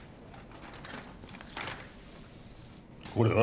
これは？